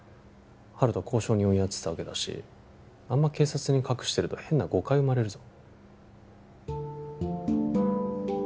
温人は交渉人をやってたわけだしあんま警察に隠してると変な誤解生まれるぞ